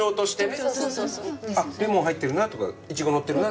「あっレモン入ってるな」とか「イチゴのってるな」